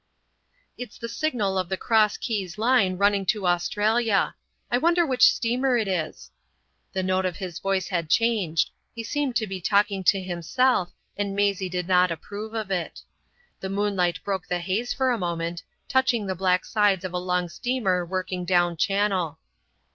"It's the signal of the Cross Keys Line running to Australia. I wonder which steamer it is." The note of his voice had changed; he seemed to be talking to himself, and Maisie did not approve of it. The moonlight broke the haze for a moment, touching the black sides of a long steamer working down Channel.